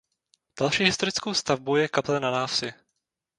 Další historickou stavbou je kaple na návsi.